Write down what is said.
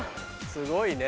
すごいね。